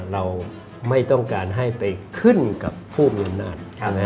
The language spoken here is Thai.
เราไม่ต้องการให้ไปขึ้นกับผู้มีอำนาจ